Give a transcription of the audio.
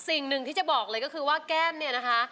สิ่งหนึ่งที่จะบอกเลยก็คือว่าแก้มเนี่ยนะคะ